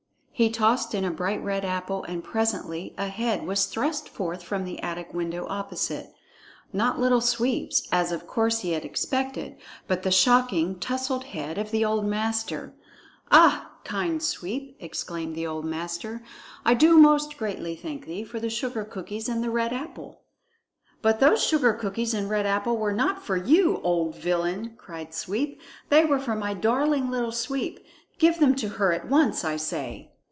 He tossed in a bright red apple, and presently a head was thrust forth from the attic window opposite. Not Little Sweep's, as of course he had expected, but the shocking, tousled head of the old master. "Ah, kind Sweep!" exclaimed the old master, "I do most greatly thank thee for the sugar cookies and the red apple." "But those sugar cookies and red apple were not for you, old villain!" cried Sweep. "They were for my darling Little Sweep. Give them to her at once, I say."